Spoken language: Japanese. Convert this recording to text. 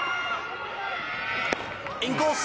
インコース！